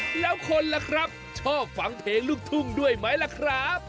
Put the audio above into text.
แล้วคนล่ะครับชอบฟังเพลงลูกทุ่งด้วยไหมล่ะครับ